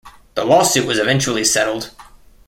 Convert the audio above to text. The lawsuit was eventually settled.